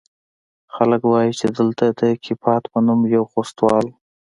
خلق وايي چې دلته د کيپات په نوم يو خوستوال و.